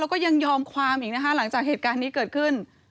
แล้วก็ยังยอมความอีกนะคะหลังจากเหตุการณ์นี้เกิดขึ้น